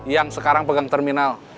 yang sekarang pegang terminal